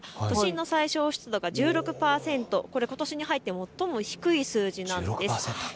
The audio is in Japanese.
都心の最小湿度が１６％、ことしに入って最も低い数字なんです。